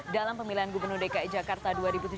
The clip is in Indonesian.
dalam pemilihan gubernur dki jakarta dua ribu tujuh belas